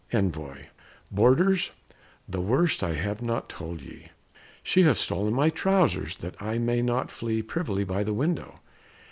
Envoy Boarders! the worst I have not told to ye: She hath stolen my trousers, that I may not flee Privily by the window.